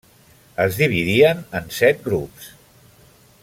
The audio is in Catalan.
Es dividien en set grups.